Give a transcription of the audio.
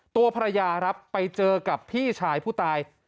ตัวภรรยาครับไปเจอกับพี่ชายผู้ตาย